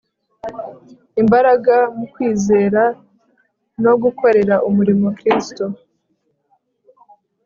imbaraga mu kwizera no gukorera umurimo Kristo